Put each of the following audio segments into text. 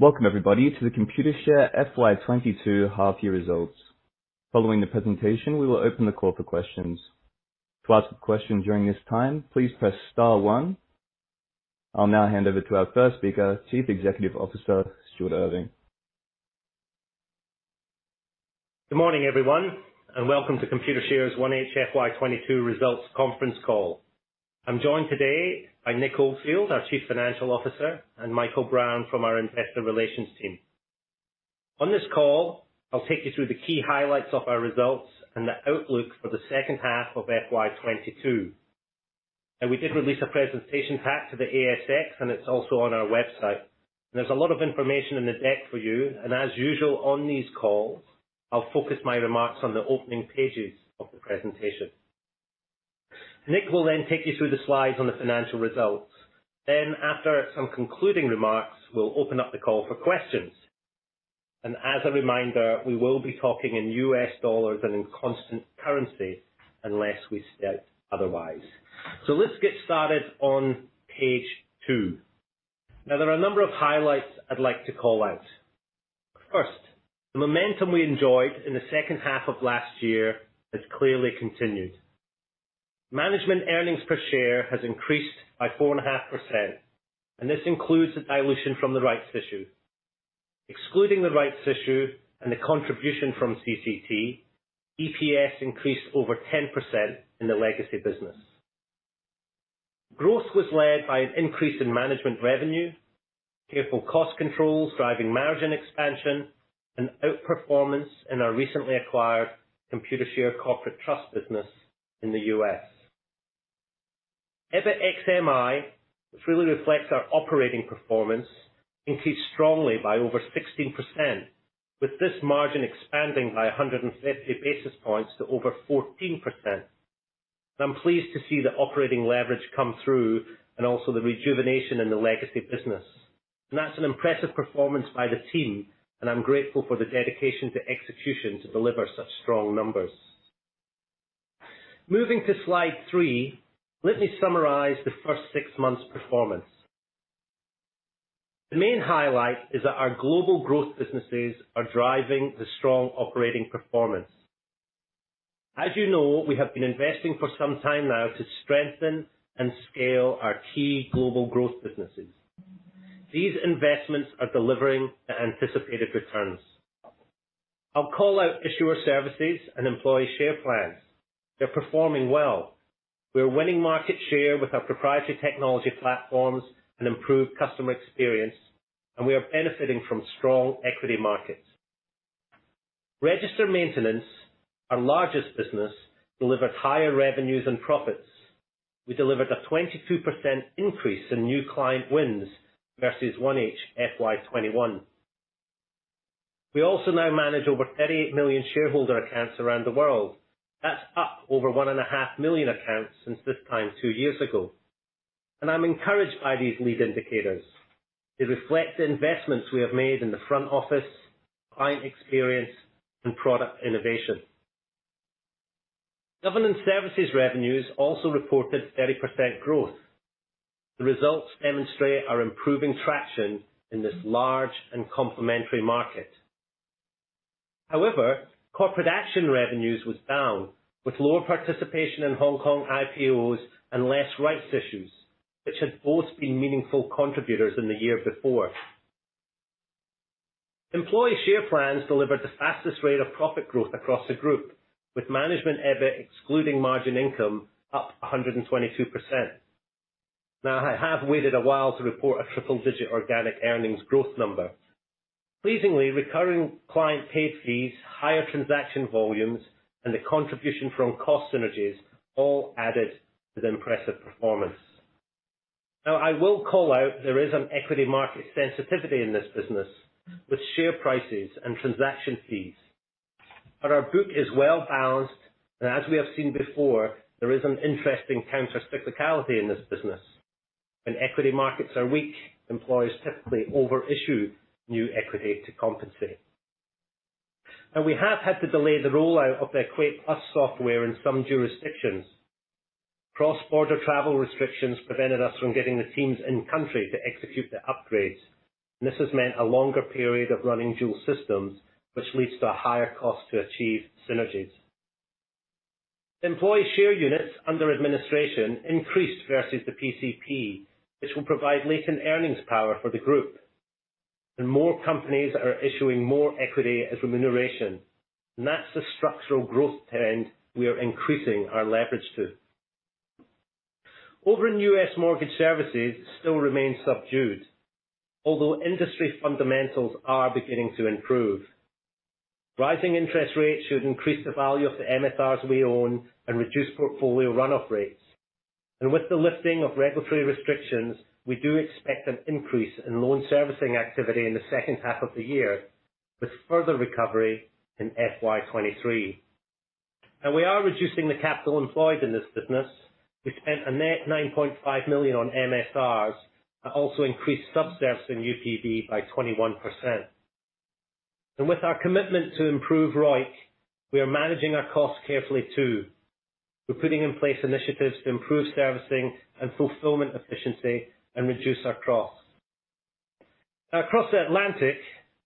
Welcome everybody to the Computershare FY 2022 half year results. Following the presentation, we will open the call for questions. To ask a question during this time, please press star one. I'll now hand over to our first speaker, Chief Executive Officer, Stuart Irving. Good morning, everyone, and welcome to Computershare's 1H FY 2022 results conference call. I'm joined today by Nick Oldfield, our Chief Financial Officer, and Michael Brown from our investor relations team. On this call, I'll take you through the key highlights of our results and the outlook for the second half of FY 2022. We did release a presentation pack to the ASX, and it's also on our website. There's a lot of information in the deck for you, and as usual on these calls, I'll focus my remarks on the opening pages of the presentation. Nick will then take you through the slides on the financial results. After some concluding remarks, we'll open up the call for questions. As a reminder, we will be talking in U.S. dollars and in constant currency unless we state otherwise. Let's get started on page 2. Now, there are a number of highlights I'd like to call out. First, the momentum we enjoyed in the second half of last year has clearly continued. Management earnings per share has increased by 4.5%, and this includes the dilution from the rights issue. Excluding the rights issue and the contribution from CCT, EPS increased over 10% in the legacy business. Growth was led by an increase in management revenue, careful cost controls driving margin expansion and outperformance in our recently acquired Computershare Corporate Trust business in the U.S. EBIT ex-MI, which really reflects our operating performance, increased strongly by over 16%, with this margin expanding by 150 basis points to over 14%. I'm pleased to see the operating leverage come through and also the rejuvenation in the legacy business. That's an impressive performance by the team, and I'm grateful for the dedication to execution to deliver such strong numbers. Moving to slide 3, let me summarize the first six months' performance. The main highlight is that our global growth businesses are driving the strong operating performance. As you know, we have been investing for some time now to strengthen and scale our key global growth businesses. These investments are delivering the anticipated returns. I'll call out Issuer Services and Employee Share Plans. They're performing well. We are winning market share with our proprietary technology platforms and improved customer experience, and we are benefiting from strong equity markets. Register Maintenance, our largest business, delivered higher revenues and profits. We delivered a 22% increase in new client wins versus 1H FY 2021. We also now manage over 38 million shareholder accounts around the world. That's up over 1.5 million accounts since this time two years ago. I'm encouraged by these lead indicators. They reflect the investments we have made in the front office, client experience, and product innovation. Governance Services revenues also reported 30% growth. The results demonstrate our improving traction in this large and complementary market. However, Corporate Actions revenues was down, with lower participation in Hong Kong IPOs and less rights issues, which had both been meaningful contributors in the year before. Employee Share Plans delivered the fastest rate of profit growth across the group, with management EBIT excluding margin income up 122%. Now, I have waited a while to report a triple-digit organic earnings growth number. Pleasingly, recurring client paid fees, higher transaction volumes, and the contribution from cost synergies all added to the impressive performance. Now, I will call out there is an equity market sensitivity in this business with share prices and transaction fees. But our book is well-balanced, and as we have seen before, there is an interesting countercyclicality in this business. When equity markets are weak, employees typically over-issue new equity to compensate. Now we have had to delay the rollout of the EquatePlus software in some jurisdictions. Cross-border travel restrictions prevented us from getting the teams in country to execute the upgrades. This has meant a longer period of running dual systems, which leads to a higher cost to achieve synergies. Employee share units under administration increased versus the PCP, which will provide latent earnings power for the group. More companies are issuing more equity as remuneration. That's the structural growth trend we are increasing our leverage to. Over in U.S., Mortgage Services still remain subdued, although industry fundamentals are beginning to improve. Rising interest rates should increase the value of the MSRs we own and reduce portfolio run-off rates. With the lifting of regulatory restrictions, we do expect an increase in loan servicing activity in the second half of the year, with further recovery in FY 2023. We are reducing the capital employed in this business. We spent a net $9.5 million on MSRs and also increased sub-servicing in UPB by 21%. With our commitment to improve ROIC, we are managing our costs carefully too. We're putting in place initiatives to improve servicing and fulfillment efficiency and reduce our costs. Now across the Atlantic,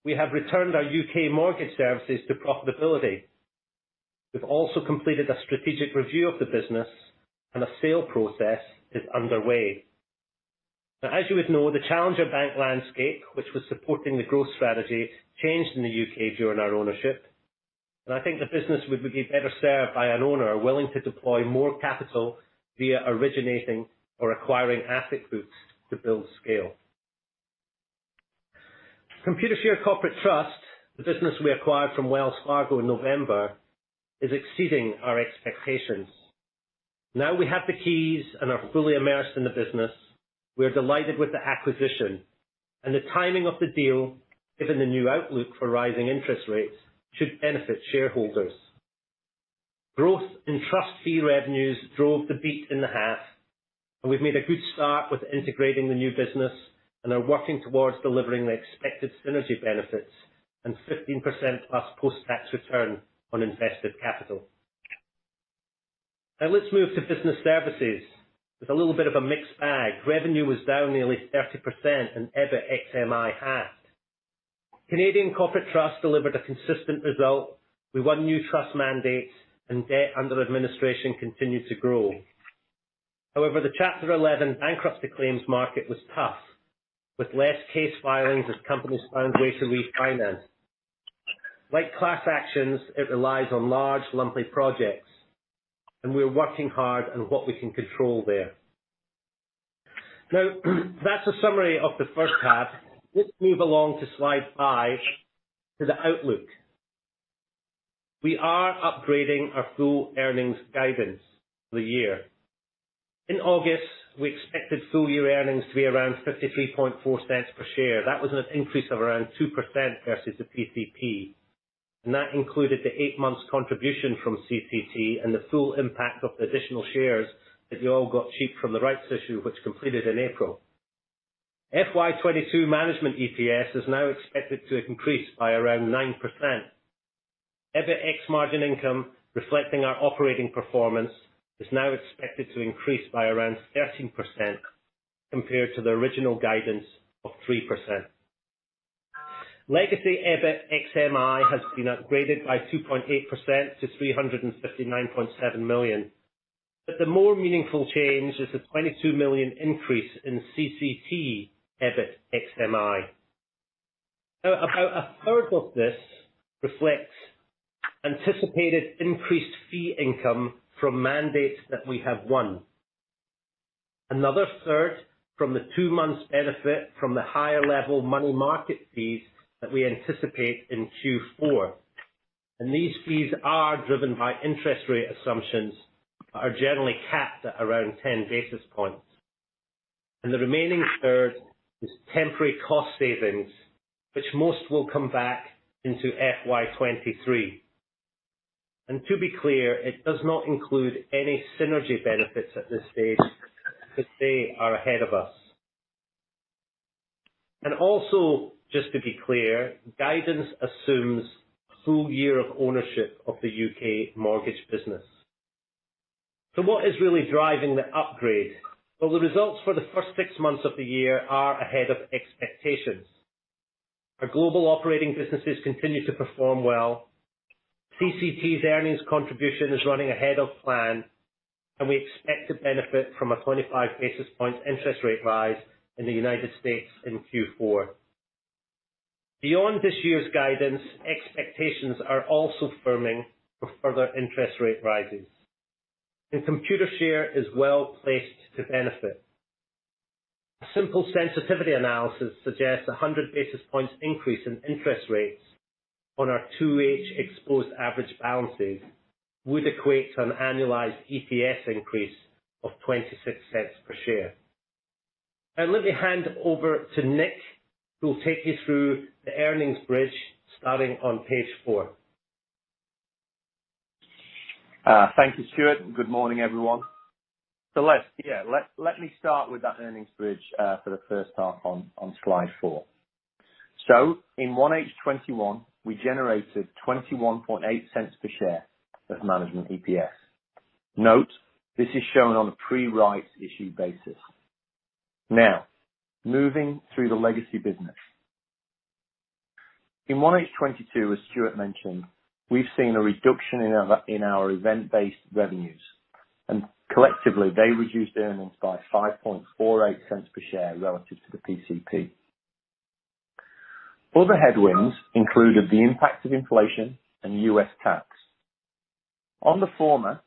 we have returned our U.K. Mortgage Services to profitability. We've also completed a strategic review of the business and a sale process is underway. Now, as you would know, the challenger bank landscape, which was supporting the growth strategy, changed in the U.K. during our ownership. I think the business would be better served by an owner willing to deploy more capital via originating or acquiring asset groups to build scale. Computershare Corporate Trust, the business we acquired from Wells Fargo in November, is exceeding our expectations. Now we have the keys and are fully immersed in the business. We are delighted with the acquisition. The timing of the deal, given the new outlook for rising interest rates, should benefit shareholders. Growth in trust fee revenues drove the beat in the half, and we've made a good start with integrating the new business and are working towards delivering the expected synergy benefits and 15%+ post-tax return on invested capital. Now let's move to business services. With a little bit of a mixed bag. Revenue was down nearly 30% and EBIT ex-MI half. Canadian Corporate Trust delivered a consistent result. We won new trust mandates and debt under administration continued to grow. However, the Chapter 11 bankruptcy claims market was tough, with less case filings as companies found ways to refinance. Like class actions, it relies on large lumpy projects, and we're working hard on what we can control there. Now that's a summary of the first half. Let's move along to slide 5 for the outlook. We are upgrading our full earnings guidance for the year. In August, we expected full year earnings to be around $53.4 cents per share. That was an increase of around 2% versus the PCP, and that included the eight months contribution from CCT and the full impact of the additional shares that you all got cheap from the rights issue, which completed in April. FY 2022 management EPS is now expected to increase by around 9%. EBIT ex-margin income, reflecting our operating performance, is now expected to increase by around 13% compared to the original guidance of 3%. Legacy EBIT ex-MI has been upgraded by 2.8% to $359.7 million. The more meaningful change is the $22 million increase in CCT EBIT ex-MI. Now, about a third of this reflects anticipated increased fee income from mandates that we have won. Another third from the two months benefit from the higher level money market fees that we anticipate in Q4. These fees are driven by interest rate assumptions, but are generally capped at around 10 basis points. The remaining third is temporary cost savings, which most will come back into FY 2023. To be clear, it does not include any synergy benefits at this stage because they are ahead of us. Also, just to be clear, guidance assumes a full year of ownership of the UK mortgage business. What is really driving the upgrade? Well, the results for the first six months of the year are ahead of expectations. Our global operating businesses continue to perform well. CCT's earnings contribution is running ahead of plan. We expect to benefit from a 25 basis point interest rate rise in the United States in Q4. Beyond this year's guidance, expectations are also firming for further interest rate rises. Computershare is well placed to benefit. A simple sensitivity analysis suggests a 100 basis points increase in interest rates on our 2H-exposed average balances would equate to an annualized EPS increase of $0.26 per share. Now let me hand over to Nick, who will take you through the earnings bridge starting on page 4. Thank you, Stuart. Good morning, everyone. Let's begin. Let me start with that earnings bridge for the first half on slide 4. In 1H 2021 we generated $21.8 per share of management EPS. Note this is shown on a pre rights issue basis. Now, moving through the legacy business. In 1H 2022, as Stuart mentioned, we've seen a reduction in our event-based revenues. Collectively they reduced earnings by $5.48 per share relative to the PCP. Other headwinds included the impact of inflation and U.S. tax. On the former,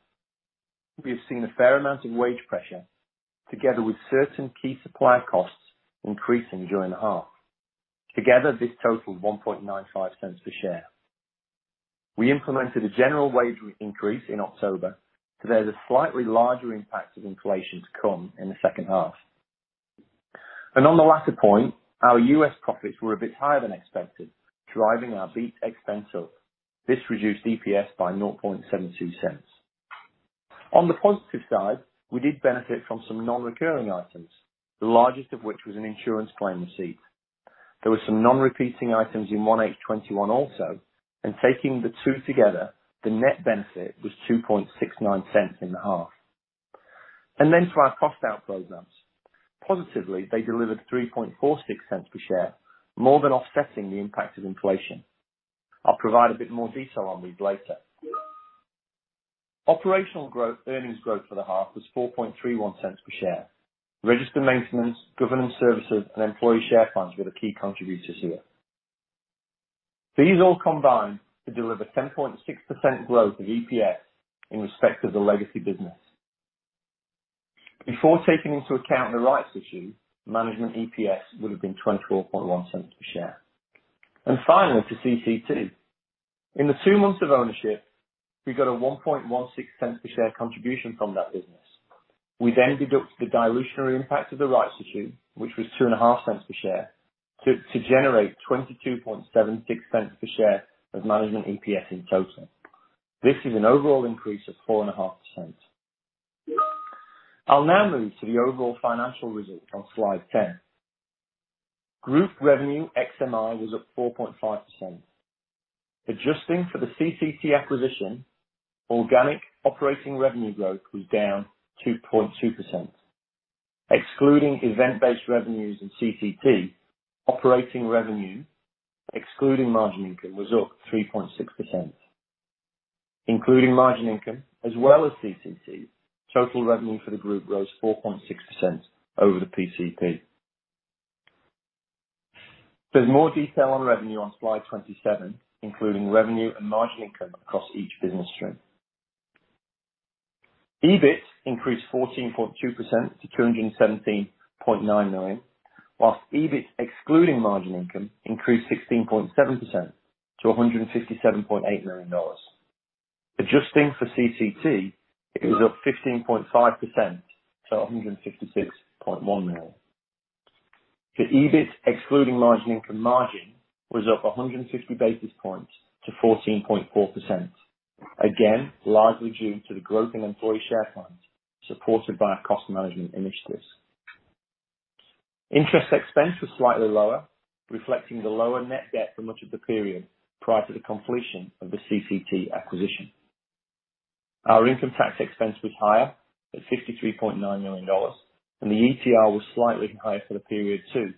we have seen a fair amount of wage pressure together with certain key supplier costs increasing during the half. Together, this totaled $1.95 per share. We implemented a general wage increase in October, so there's a slightly larger impact of inflation to come in the second half. On the latter point, our U.S. profits were a bit higher than expected, driving our BEAT expense up. This reduced EPS by $0.72 cents. On the positive side, we did benefit from some non-recurring items, the largest of which was an insurance claim receipt. There were some non-recurring items in 1H 2021 also, and taking the two together, the net benefit was $2.69 cents in the half. To our cost out programs. Positively, they delivered $3.46 cents per share, more than offsetting the impact of inflation. I'll provide a bit more detail on these later. Operational growth, earnings growth for the half was $4.31 cents per share. Register Maintenance, Governance Services, and Employee Share Plans were the key contributors here. These all combined to deliver 10.6% growth of EPS in respect of the legacy business. Before taking into account the rights issue, management EPS would have been $24.1 per share. Finally to CCT. In the two months of ownership, we got a $1.16 per share contribution from that business. We then deduct the dilutionary impact of the rights issue, which was $2.5 per share, to generate $22.76 per share of management EPS in total. This is an overall increase of 4.5%. I'll now move to the overall financial results on slide 10. Group revenue ex-MI was at 4.5%. Adjusting for the CCT acquisition, organic operating revenue growth was down 2.2%. Excluding event-based revenues in CCT, operating revenue, excluding margin income, was up 3.6%. Including margin income as well as CCT, total revenue for the group rose 4.6% over the PCP. There's more detail on revenue on slide 27, including revenue and margin income across each business stream. EBIT increased 14.2% to $217.9 million, whilst EBIT excluding margin income increased 16.7% to $157.8 million. Adjusting for CCT, it was up 15.5% to $156.1 million. The EBIT excluding margin income margin was up 150 basis points to 14.4%. Again, largely due to the growth in employee share funds supported by our cost management initiatives. Interest expense was slightly lower, reflecting the lower net debt for much of the period prior to the completion of the CCT acquisition. Our income tax expense was higher at $53.9 million, and the ETR was slightly higher for the period too,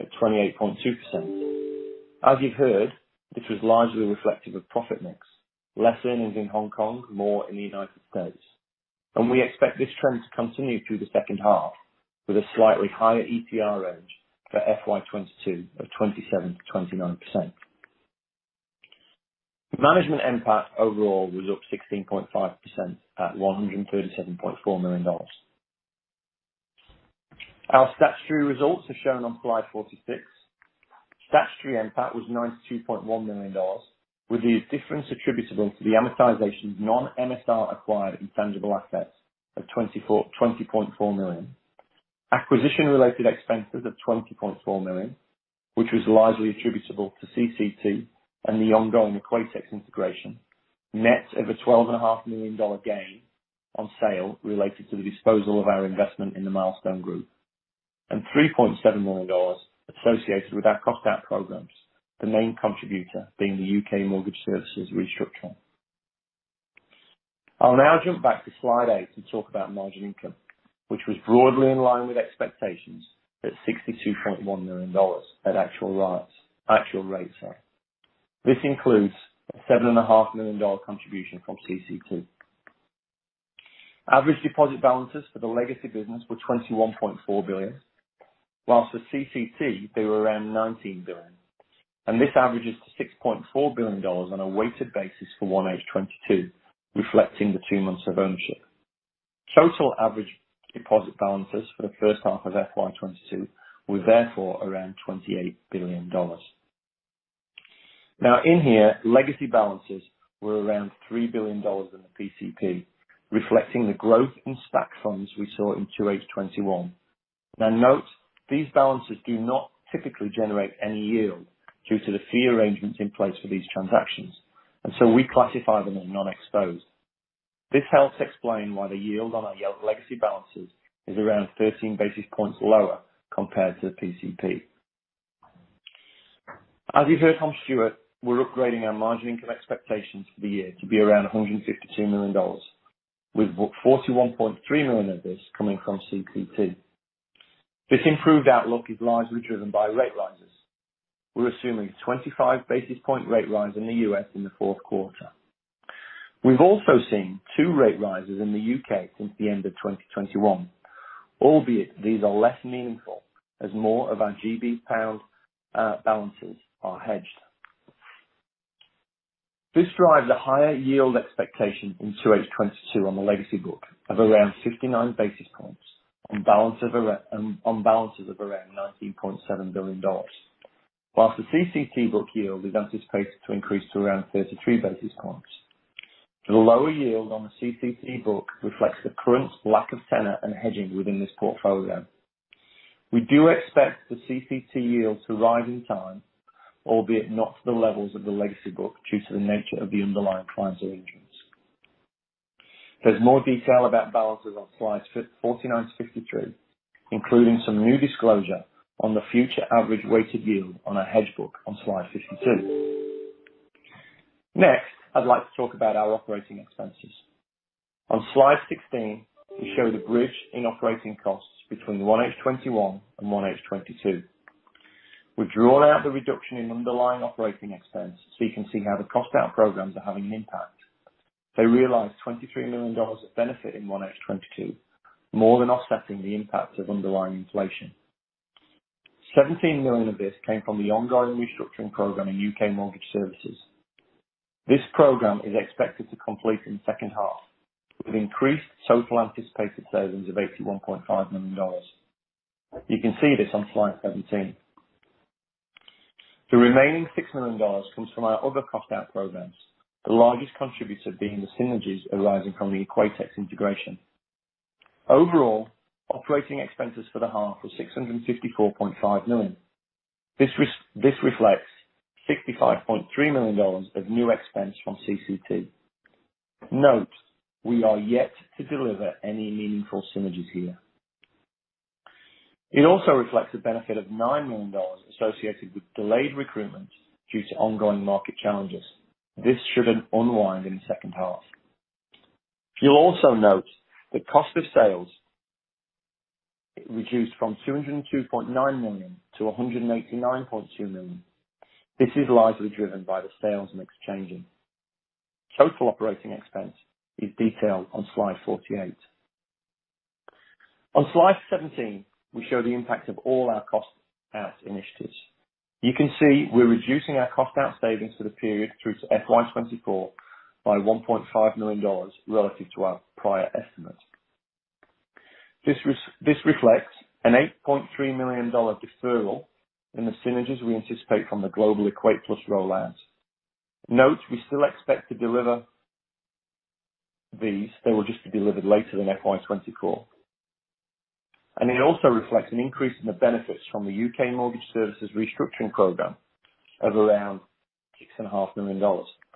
at 28.2%. As you've heard, this was largely reflective of profit mix. Less earnings in Hong Kong, more in the United States. We expect this trend to continue through the second half with a slightly higher ETR range for FY 2022 of 27%-29%. Management NPAT overall was up 16.5% at $137.4 million. Our statutory results are shown on slide 46. Statutory NPAT was $92.1 million, with the difference attributable to the amortization of non-MSR acquired intangible assets of $20.4 million. Acquisition related expenses of $20.4 million, which was largely attributable to CCT and the ongoing Equatex integration, net of a $12.5 million gain on sale related to the disposal of our investment in the Milestone Group. $3.7 Million associated with our cost out programs, the main contributor being the U.K. Mortgage Services restructuring. I'll now jump back to slide 8 to talk about margin income, which was broadly in line with expectations at $62.1 million at actual rates. This includes a $7.5 million contribution from CCT. Average deposit balances for the legacy business were $21.4 billion, while for CCT they were around $19 billion. This averages to $6.4 billion on a weighted basis for 1H 2022, reflecting the two months of ownership. Total average deposit balances for the first half of FY 2022 were therefore around $28 billion. Now, in here, legacy balances were around $3 billion in the PCP, reflecting the growth in stack funds we saw in 2H 2021. Now, note, these balances do not typically generate any yield due to the fee arrangements in place for these transactions, and so we classify them as non-exposed. This helps explain why the yield on our legacy balances is around 13 basis points lower compared to the PCP. As you heard from Stuart, we're upgrading our margin income expectations for the year to be around $152 million, with $41.3 million of this coming from CCT. This improved outlook is largely driven by rate rises. We're assuming a 25 basis point rate rise in the U.S. in the fourth quarter. We've also seen two rate rises in the U.K. since the end of 2021, albeit these are less meaningful as more of our GB pound balances are hedged. This drives a higher yield expectation in 2H 2022 on the legacy book of around 59 basis points on balances of around $19.7 billion. While the CCT book yield is anticipated to increase to around 33 basis points. The lower yield on the CCT book reflects the current lack of tenor and hedging within this portfolio. We do expect the CCT yield to rise in time, albeit not to the levels of the legacy book, due to the nature of the underlying clients and agents. There's more detail about balances on slides 49 to 53, including some new disclosure on the future average weighted yield on our hedge book on slide 52. Next, I'd like to talk about our operating expenses. On slide 16, we show the bridge in operating costs between 1H 2021 and 1H 2022. We've drawn out the reduction in underlying operating expense so you can see how the cost-out programs are having an impact. They realized $23 million of benefit in 1H 2022, more than offsetting the impact of underlying inflation. $17 million of this came from the ongoing restructuring program in U.K. Mortgage Services. This program is expected to complete in second half, with increased total anticipated savings of $81.5 million. You can see this on slide 17. The remaining $6 million comes from our other cost out programs, the largest contributor being the synergies arising from the Equatex integration. Overall, operating expenses for the half were $654.5 million. This reflects $65.3 million of new expense from CCT. Note, we are yet to deliver any meaningful synergies here. It also reflects the benefit of $9 million associated with delayed recruitment due to ongoing market challenges. This should unwind in the second half. You'll also note the cost of sales reduced from $202.9 million to $189.2 million. This is largely driven by the sales and exchanging. Total operating expense is detailed on slide 48. On slide 17, we show the impact of all our cost out initiatives. You can see we're reducing our cost out savings for the period through to FY 2024 by $1.5 million relative to our prior estimate. This reflects an $8.3 million deferral in the synergies we anticipate from the global EquatePlus rollout. Note, we still expect to deliver these. They will just be delivered later than FY 2024. It also reflects an increase in the benefits from the U.K. Mortgage Services restructuring program of around $6.5 million,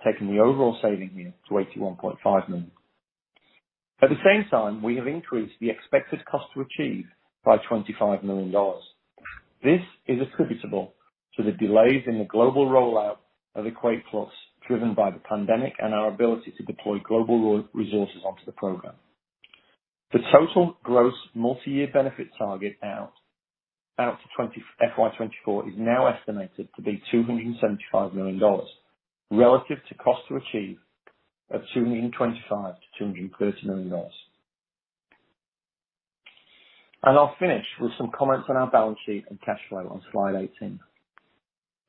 taking the overall saving here to $81.5 million. At the same time, we have increased the expected cost to achieve by $25 million. This is attributable to the delays in the global rollout of EquatePlus driven by the pandemic and our ability to deploy global resources onto the program. The total gross multi-year benefit target out to FY 2024 is now estimated to be $275 million relative to cost to achieve of $225 million-$230 million. I'll finish with some comments on our balance sheet and cash flow on slide 18.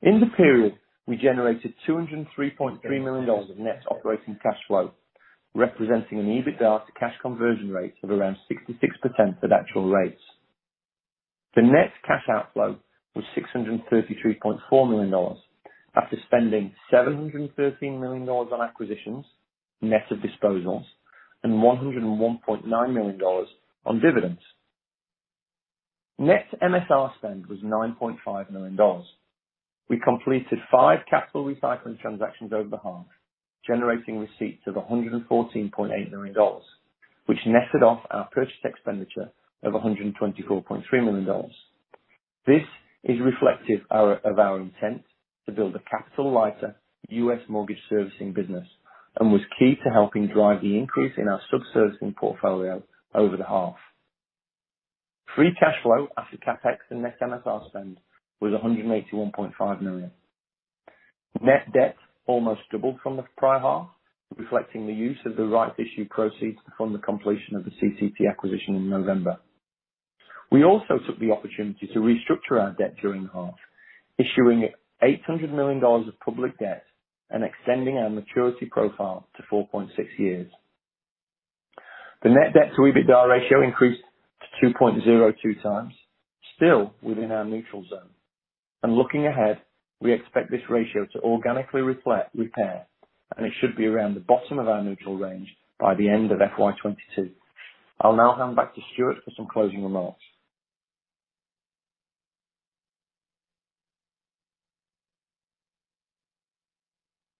In the period, we generated $203.3 million of net operating cash flow, representing an EBITDA to cash conversion rate of around 66% at actual rates. The net cash outflow was $633.4 million after spending $713 million on acquisitions, net of disposals, and $101.9 million on dividends. Net MSR spend was $9.5 million. We completed five capital recycling transactions over the half, generating receipts of $114.8 million, which netted off our purchase expenditure of $124.3 million. This is reflective of our intent to build a capital lighter U.S. mortgage servicing business, and was key to helping drive the increase in our sub-servicing portfolio over the half. Free cash flow after CapEx and net MSR spend was $181.5 million. Net debt almost doubled from the prior half, reflecting the use of the rights issue proceeds from the completion of the CCT acquisition in November. We also took the opportunity to restructure our debt during the half, issuing $800 million of public debt and extending our maturity profile to 4.6 years. The net debt to EBITDA ratio increased to 2.02x, still within our neutral zone. Looking ahead, we expect this ratio to organically repair, and it should be around the bottom of our neutral range by the end of FY 2022. I'll now hand back to Stuart for some closing remarks.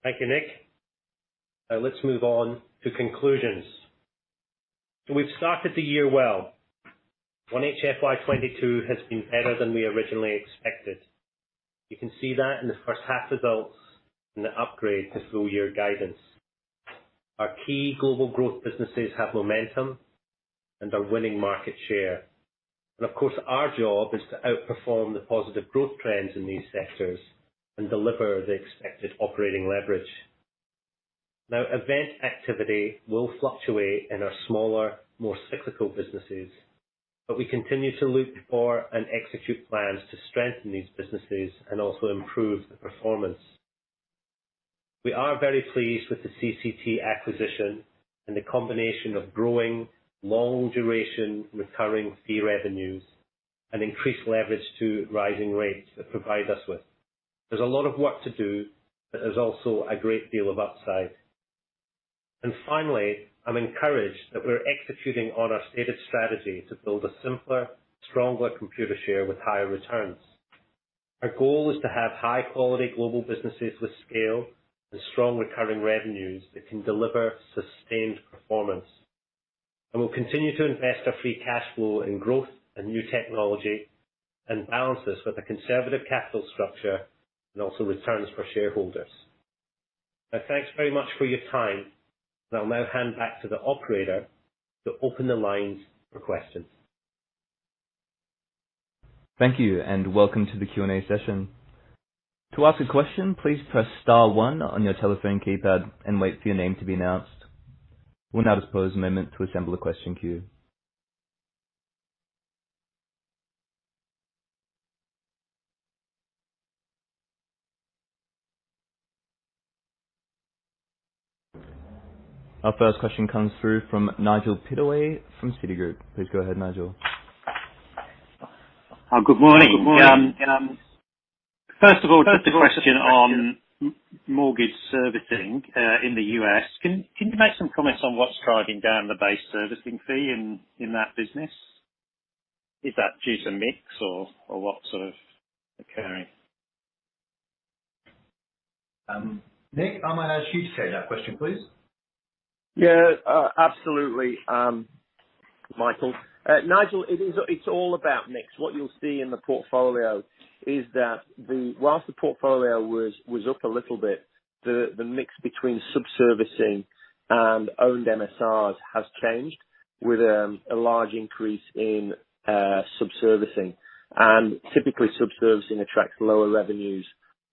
Thank you, Nick. Now let's move on to conclusions. We've started the year well. 1H FY 2022 has been better than we originally expected. You can see that in the first half results and the upgrade to full year guidance. Our key global growth businesses have momentum and are winning market share. Of course, our job is to outperform the positive growth trends in these sectors and deliver the expected operating leverage. Now event activity will fluctuate in our smaller, more cyclical businesses, but we continue to look for and execute plans to strengthen these businesses and also improve the performance. We are very pleased with the CCT acquisition and the combination of growing long duration recurring fee revenues and increased leverage to rising rates that provide us with. There's a lot of work to do, but there's also a great deal of upside. Finally, I'm encouraged that we're executing on our stated strategy to build a simpler, stronger Computershare with higher returns. Our goal is to have high quality global businesses with scale and strong recurring revenues that can deliver sustained performance. We'll continue to invest our free cash flow in growth and new technology and balance this with a conservative capital structure and also returns for shareholders. Now, thanks very much for your time. I'll now hand back to the operator to open the lines for questions. Thank you, and welcome to the Q&A session. To ask a question, please press star one on your telephone keypad and wait for your name to be announced. We'll now pause a moment to assemble a question queue. Our first question comes through from Nigel Pittaway from Citigroup. Please go ahead, Nigel. Good morning. First of all, just a question on mortgage servicing in the U.S. Can you make some comments on what's driving down the base servicing fee in that business? Is that due to mix or what's sort of occurring? Nick, I'm gonna ask you to take that question, please. Yeah. Absolutely, Michael. Nigel, it's all about mix. What you'll see in the portfolio is that while the portfolio was up a little bit, the mix between sub-servicing and owned MSRs has changed with a large increase in sub-servicing. Typically sub-servicing attracts lower revenues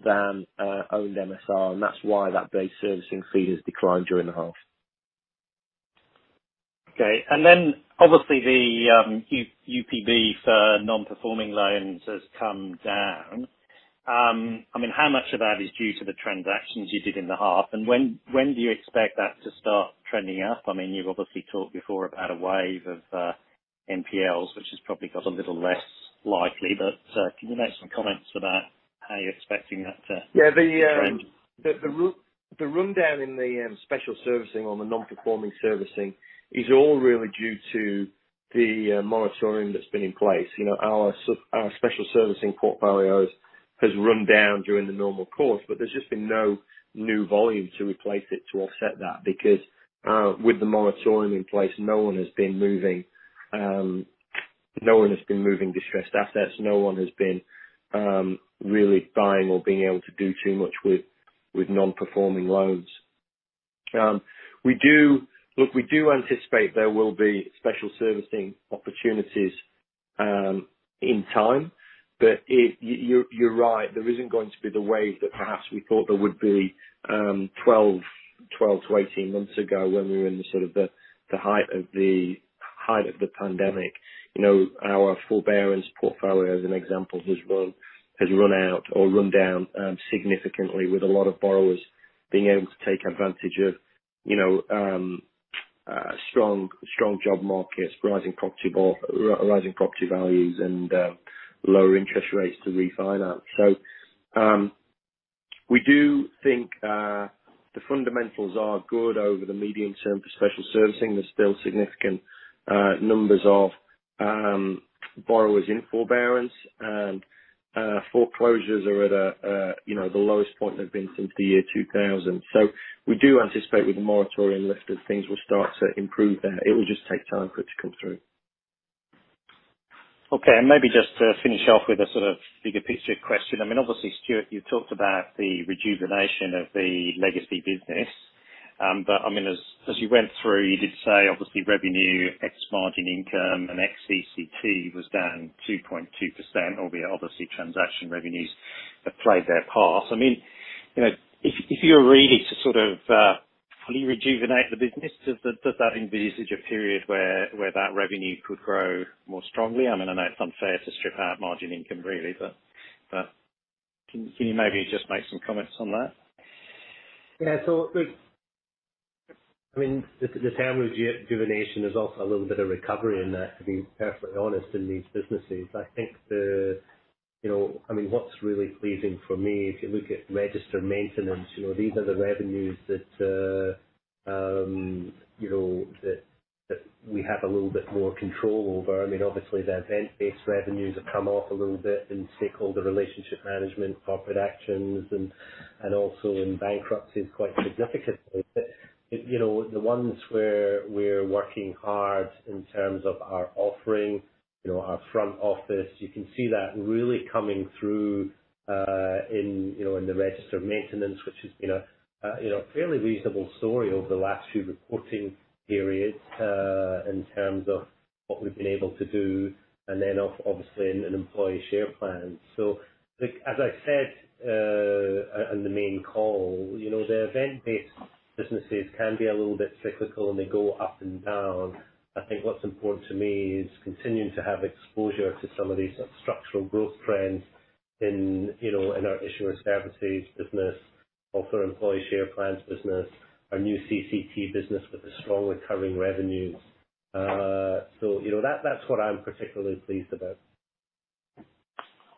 than owned MSR, and that's why that base servicing fee has declined during the half. Okay. Obviously the UPB for non-performing loans has come down. I mean, how much of that is due to the transactions you did in the half? When do you expect that to start trending up? I mean, you've obviously talked before about a wave of NPLs, which has probably got a little less likely, but can you make some comments about how you're expecting that to trend? The rundown in the special servicing on the non-performing servicing is all really due to the moratorium that's been in place. You know, our special servicing portfolio has run down during the normal course. There's just been no new volume to replace it to offset that because with the moratorium in place, no one has been moving distressed assets. No one has been really buying or being able to do too much with non-performing loans. We do anticipate there will be special servicing opportunities in time. You're right. There isn't going to be the wave that perhaps we thought there would be 12-18 months ago when we were in the height of the pandemic. You know, our forbearance portfolio, as an example, has run out or run down significantly with a lot of borrowers being able to take advantage of, you know, strong job markets, rising property values and lower interest rates to refinance. We do think the fundamentals are good over the medium term for special servicing. There's still significant numbers of borrowers in forbearance. Foreclosures are at a, you know, the lowest point they've been since the year 2000. We do anticipate with the moratorium lifted, things will start to improve there. It will just take time for it to come through. Okay. Maybe just to finish off with a sort of bigger picture question. I mean, obviously, Stuart, you talked about the rejuvenation of the legacy business. I mean as you went through, you did say obviously revenue ex margin income and ex-CCT was down 2.2%, albeit obviously transaction revenues have played their part. I mean, you know, if you're really to sort of fully rejuvenate the business, does that envisage a period where that revenue could grow more strongly? I mean, I know it's unfair to strip out margin income really, but can you maybe just make some comments on that? Look, I mean, the term rejuvenation is also a little bit of recovery in that, to be perfectly honest, in these businesses. I think you know, I mean, what's really pleasing for me, if you look at Register Maintenance, you know, these are the revenues that, you know, that we have a little bit more control over. I mean, obviously the event-based revenues have come off a little bit in Stakeholder Relationship Management, Corporate Actions and also in bankruptcies quite significantly. You know, the ones where we're working hard in terms of our offering, you know, our front office, you can see that really coming through in the Register Maintenance, which has been a fairly reasonable story over the last few reporting periods in terms of what we've been able to do and then obviously in an employee share plan. Like, as I said on the main call, you know, the event-based businesses can be a little bit cyclical, and they go up and down. I think what's important to me is continuing to have exposure to some of these structural growth trends in our issuer services business, also our Employee Share Plans business, our new CCT business with the strong recurring revenues. You know, that's what I'm particularly pleased about.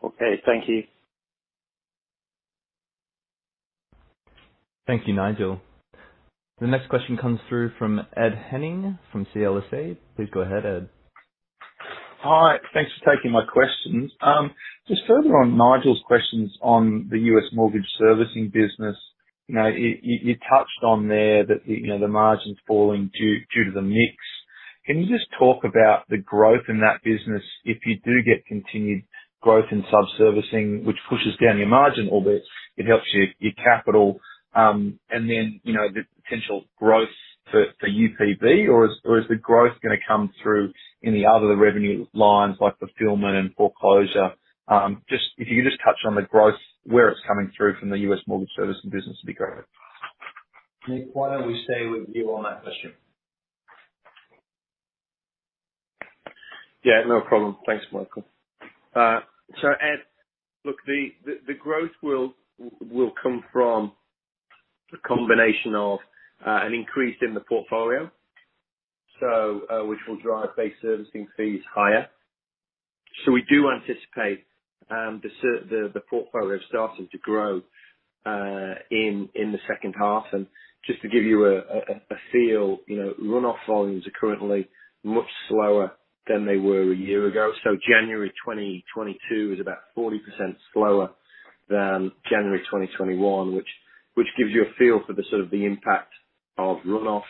Okay, thank you. Thank you, Nigel. The next question comes through from Ed Henning from CLSA. Please go ahead, Ed. Hi. Thanks for taking my questions. Just further on Nigel's questions on the U.S. mortgage servicing business. You know, you touched on there that the, you know, the margin's falling due to the mix. Can you just talk about the growth in that business if you do get continued growth in sub-servicing, which pushes down your margin, albeit it helps your capital, and then, you know, the potential growth for UPB or is the growth gonna come through any other revenue lines like fulfillment and foreclosure? If you could just touch on the growth, where it's coming through from the U.S. mortgage servicing business would be great. Nick, why don't we stay with you on that question? Yeah, no problem. Thanks, Michael. So Ed, look, the growth will come from a combination of an increase in the portfolio, so which will drive base servicing fees higher. So we do anticipate the portfolio starting to grow in the second half. Just to give you a feel, you know, runoff volumes are currently much slower than they were a year ago. So January 2022 is about 40% slower than January 2021 which gives you a feel for the impact of runoff,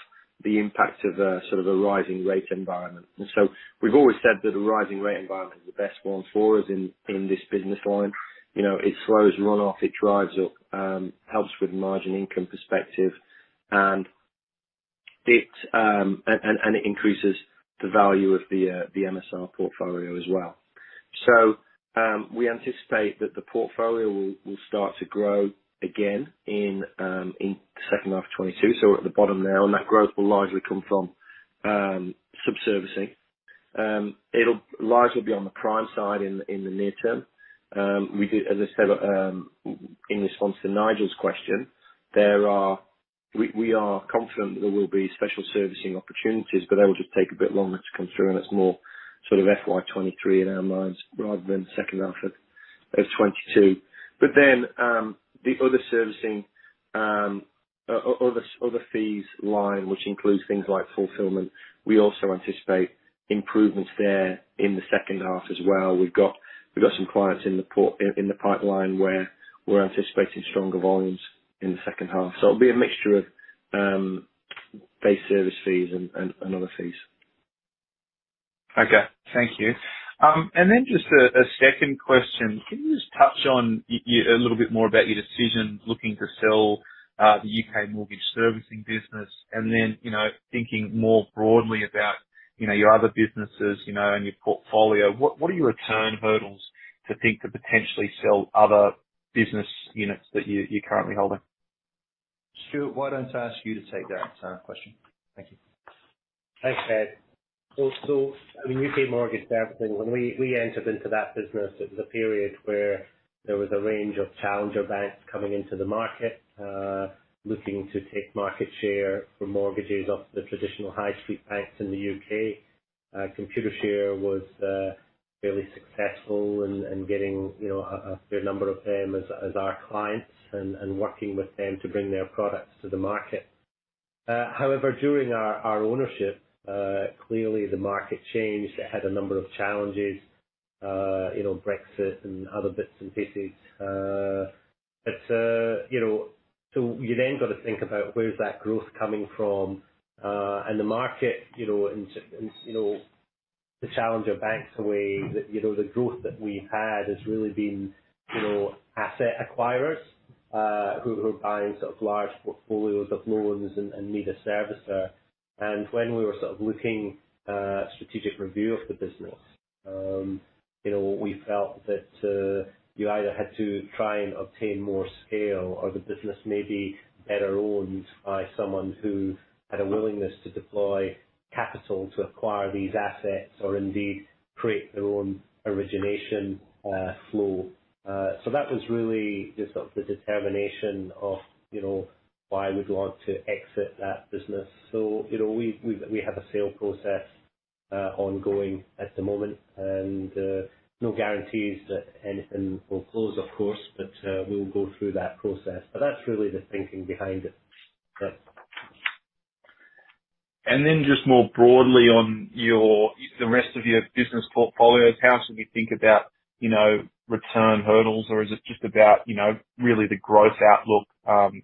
the impact of sort of a rising rate environment. We've always said that a rising rate environment is the best one for us in this business line. You know, it slows runoff, it drives up, helps with margin income perspective, and it increases the value of the MSR portfolio as well. We anticipate that the portfolio will start to grow again in the second half of 2022, so we're at the bottom now. That growth will largely come from sub-servicing. It'll largely be on the prime side in the near term. We did, as I said, in response to Nigel's question, there are, we are confident there will be special servicing opportunities, but they will just take a bit longer to come through. It's more sort of FY 2023 in our minds rather than second half of 2022. The other servicing, other fees line, which includes things like fulfillment, we also anticipate improvements there in the second half as well. We've got some clients in the pipeline where we're anticipating stronger volumes in the second half. It'll be a mixture of base service fees and other fees. Okay. Thank you. Then just a second question. Can you just touch on a little bit more about your decision looking to sell the U.K. mortgage servicing business? Then, you know, thinking more broadly about, you know, your other businesses, you know, and your portfolio, what are your return hurdles to think to potentially sell other business units that you're currently holding? Stu, why don't I ask you to take that, question? Thank you. Thanks, Ed. I mean, U.K. mortgage servicing, when we entered into that business, it was a period where there was a range of challenger banks coming into the market, looking to take market share for mortgages off the traditional high street banks in the U.K. Computershare was fairly successful in getting, you know, a fair number of them as our clients and working with them to bring their products to the market. However, during our ownership, clearly the market changed. It had a number of challenges. You know, Brexit and other bits and pieces. You then got to think about where's that growth coming from. The market, you know, the challenger banks away. You know, the growth that we've had has really been you know, asset acquirers who are buying sort of large portfolios of loans and need a servicer. When we were sort of looking strategic review of the business, you know, we felt that you either had to try and obtain more scale or the business may be better owned by someone who had a willingness to deploy capital to acquire these assets or indeed create their own origination flow. That was really just sort of the determination of you know, why we'd want to exit that business. You know, we have a sale process ongoing at the moment and no guarantees that anything will close, of course, but we'll go through that process. That's really the thinking behind it. Just more broadly on your, the rest of your business portfolios, how should we think about, you know, return hurdles? Or is it just about, you know, really the growth outlook?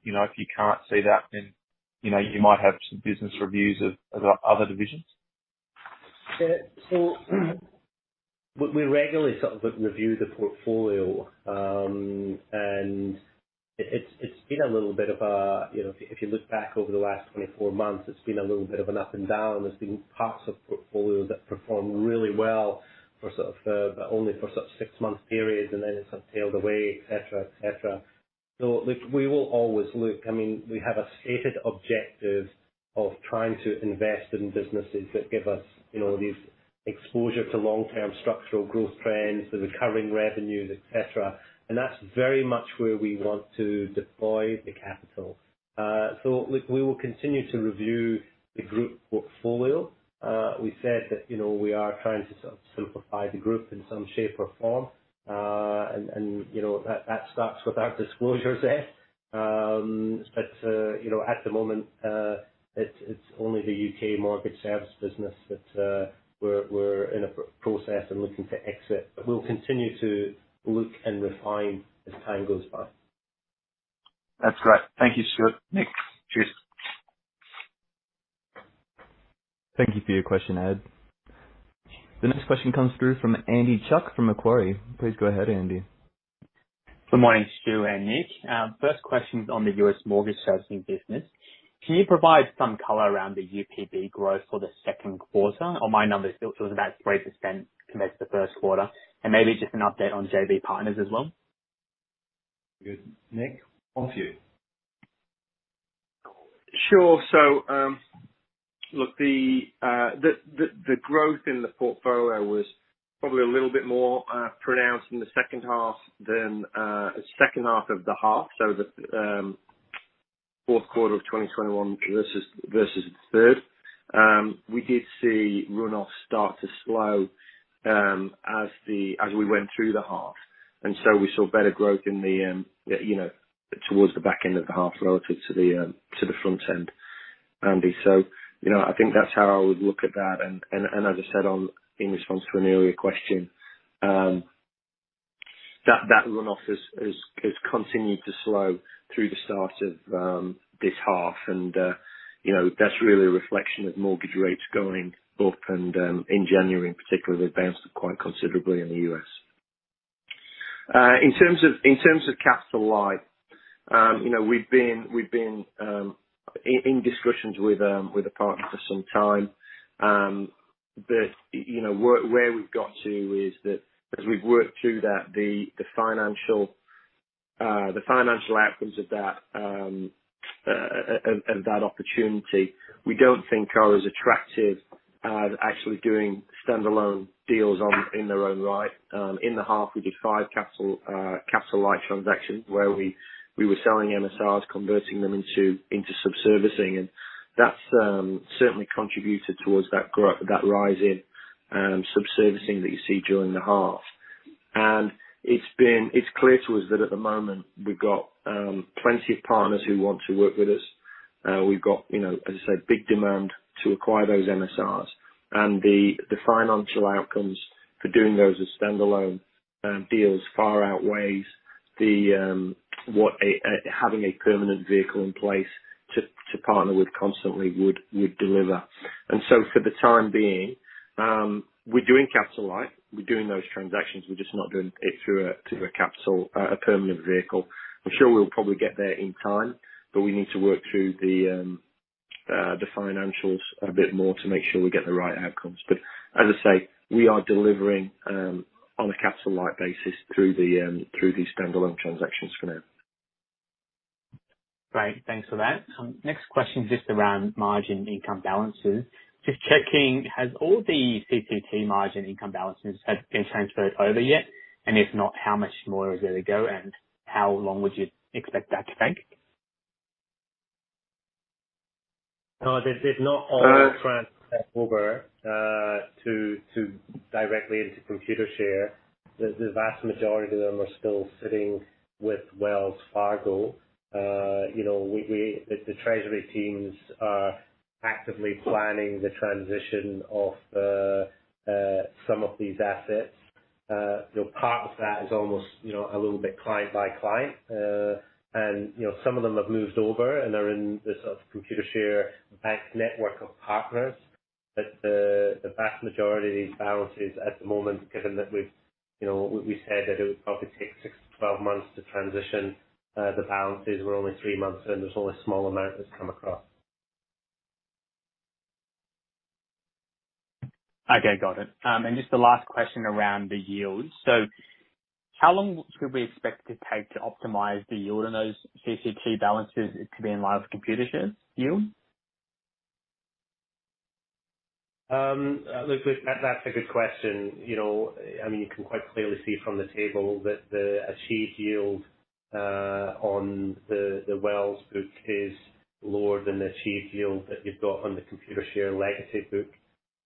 You know, if you can't see that then, you know, you might have some business reviews of the other divisions. Yeah. We regularly sort of review the portfolio. It has been a little bit of a, you know, if you look back over the last 24 months, it has been a little bit of an up and down. There have been parts of the portfolio that perform really well, but only for sort of six-month periods, and then it has sort of tailed away, et cetera. Look, we will always look. I mean, we have a stated objective of trying to invest in businesses that give us, you know, these exposure to long-term structural growth trends, the recurring revenues, et cetera. That's very much where we want to deploy the capital. Look, we will continue to review the group portfolio. We said that, you know, we are trying to simplify the group in some shape or form. You know, that starts with our disclosures there. You know, at the moment, it's only the U.K. Mortgage Services business that we're in a process and looking to exit. We'll continue to look and refine as time goes by. That's great. Thank you, Stuart. Nick. Cheers. Thank you for your question, Ed. The next question comes through from Andy Chuk from Macquarie. Please go ahead, Andy. Good morning, Stu and Nick. First question is on the U.S. mortgage servicing business. Can you provide some color around the UPB growth for the second quarter? On my numbers, it shows about 3% compared to the first quarter. Maybe just an update on JV partners as well. Good. Nick, off to you. Sure. Look, the growth in the portfolio was probably a little bit more pronounced in the second half than second half of the half. The fourth quarter of 2021 versus the third. We did see runoff start to slow as we went through the half. We saw better growth in the you know towards the back end of the half relative to the front end, Andy. You know, I think that's how I would look at that. As I said in response to an earlier question, that runoff has continued to slow through the start of this half. You know, that's really a reflection of mortgage rates going up and in January in particular, they bounced quite considerably in the U.S. In terms of capital light, you know, we've been in discussions with the partners for some time. You know, where we've got to is that as we've worked through that, the financial outcomes of that opportunity, we don't think are as attractive as actually doing standalone deals in their own right. In the half, we did five capital light transactions where we were selling MSRs, converting them into sub-servicing. That's certainly contributed towards that rise in sub-servicing that you see during the half. It's been, it's clear to us that at the moment, we've got plenty of partners who want to work with us. We've got, you know, as I said, big demand to acquire those MSRs. The financial outcomes for doing those as standalone deals far outweighs what having a permanent vehicle in place to partner with constantly would deliver. For the time being, we're doing capital light. We're doing those transactions. We're just not doing it through a capital permanent vehicle. I'm sure we'll probably get there in time, but we need to work through the financials a bit more to make sure we get the right outcomes. As I say, we are delivering on a capital light basis through these standalone transactions for now. Great. Thanks for that. Next question is just around margin income balances. Just checking, have all the CCT margin income balances been transferred over yet? And if not, how much more is there to go and how long would you expect that to take? No, they've not all transferred over to directly into Computershare. The vast majority of them are still sitting with Wells Fargo. You know, the treasury teams are actively planning the transition of some of these assets. You know, part of that is almost, you know, a little bit client by client. You know, some of them have moved over and are in the sort of Computershare bank network of partners. The vast majority of these balances at the moment, given that we've, you know, we said that it would probably take six-12 months to transition the balances. We're only three months in. There's only a small amount that's come across. Okay. Got it. Just the last question around the yields. How long should we expect it to take to optimize the yield on those CCT balances to be in line with Computershare's yield? Look, that's a good question. You know, I mean, you can quite clearly see from the table that the achieved yield on the Wells book is lower than the achieved yield that you've got on the Computershare legacy book.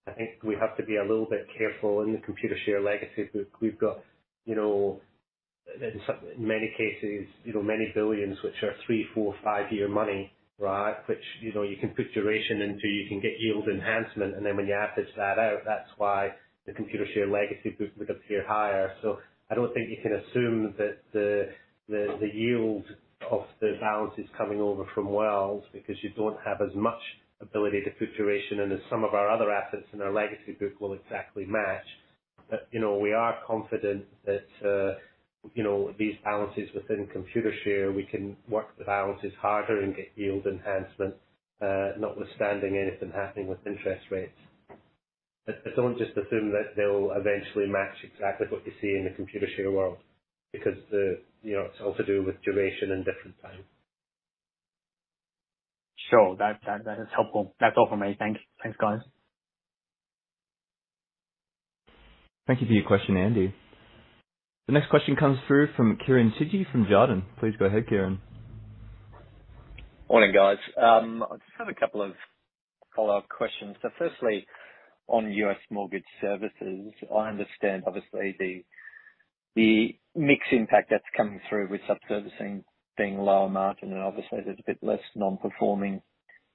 I think we have to be a little bit careful in the Computershare legacy book. We've got, you know, in some, in many cases, you know, many billions which are three, four, five-year money. Right? Which, you know, you can put duration into, you can get yield enhancement, and then when you average that out, that's why the Computershare legacy book would appear higher. So I don't think you can assume that the yield of the balances coming over from Wells, because you don't have as much ability to put duration into some of our other assets in our legacy book will exactly match. We are confident that, you know, these balances within Computershare, we can work the balances harder and get yield enhancement, notwithstanding anything happening with interest rates. Don't just assume that they'll eventually match exactly what you see in the Computershare world because, you know, it's all to do with duration and different times. Sure. That is helpful. That's all from me. Thank you. Thanks, guys. Thank you for your question, Andy. The next question comes through from Kieren Chidgey from Jarden. Please go ahead, Kieren. Morning, guys. I just have a couple of follow-up questions. Firstly, on U.S. Mortgage Services, I understand obviously the mix impact that's coming through with sub-servicing being lower margin, and obviously there's a bit less non-performing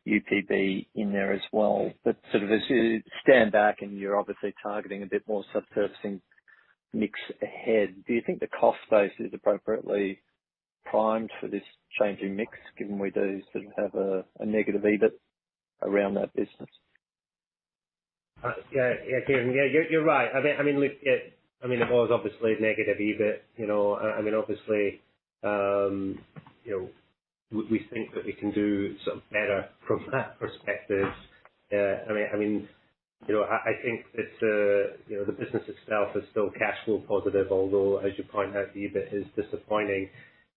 UPB in there as well. Sort of as you stand back and you're obviously targeting a bit more sub-servicing mix ahead, do you think the cost base is appropriately primed for this changing mix, given we do sort of have a negative EBIT around that business? Yeah, Kieren, you're right. I mean, look, I mean, it was obviously a negative EBIT, you know. I mean, obviously, you know, we think that we can do sort of better from that perspective. I mean, you know, I think it's, you know, the business itself is still cash flow positive, although, as you point out, the EBIT is disappointing.